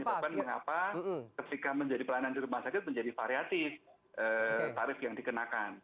itu kan mengapa ketika menjadi pelayanan di rumah sakit menjadi variatif tarif yang dikenakan